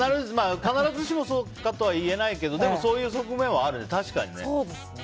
必ずしもそうだとはいえないけどでも、そういう側面は確かにあるよね。